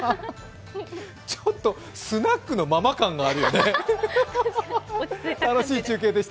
ちょっと、スナックのママ感があるよね。